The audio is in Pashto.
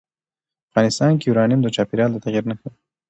افغانستان کې یورانیم د چاپېریال د تغیر نښه ده.